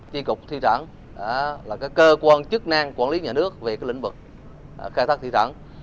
chí cục thủy sản là cái cơ quan chức năng quản lý nhà nước về cái lĩnh vực khai thác thủy sản